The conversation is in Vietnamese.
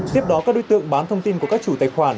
tiếp đó các đối tượng bán thông tin của các chủ tài khoản